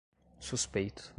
suspeito